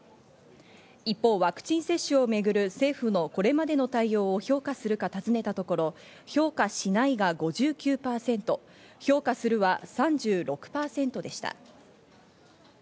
一方、ワクチン接種をめぐる政府のこれまでの対応を評価するかたずねたところ、評価しないが５９％、評価するは３６％でした。